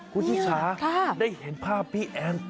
คุณชิคกี้พายได้เห็นภาพพี่แอน